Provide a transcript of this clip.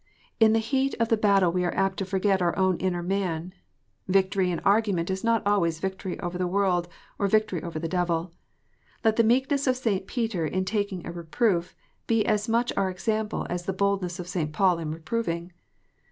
In the heat of the battle we are apt to forget our own inner man. Victory in argument is not always victory over the world or victory over the devil. Let the meekness of St. Peter in taking a reproof, be as much our example as the boldness of St. Paul in reproving.